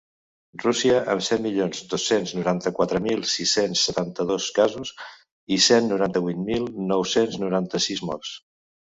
Rússia, amb set milions dos-cents noranta-quatre mil sis-cents setanta-dos casos i cent noranta-vuit mil nou-cents noranta-sis morts.